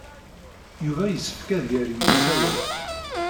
Yuba yessefk ad yerr i usawal.